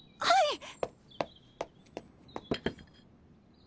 はい！